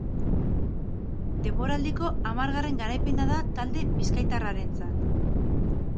Denboraldiko hamargarren garaipena da talde bizkaitarrarentzat.